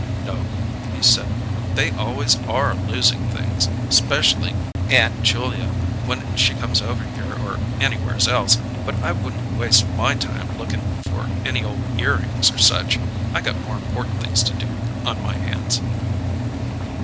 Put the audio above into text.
"No," he said. "They always are losin' things, espesh'ly Aunt Julia, when she comes over here, or anywheres else; but I wouldn't waste my time lookin' for any old earrings or such. I got more important things to do on my hands."